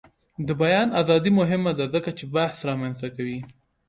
د بیان ازادي مهمه ده ځکه چې بحث رامنځته کوي.